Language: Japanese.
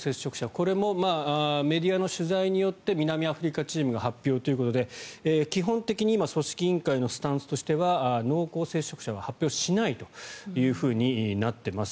これもメディアの取材によって南アフリカチームの発表ということで基本的に今組織委員会のスタンスとしては濃厚接触者は発表しないとなっています。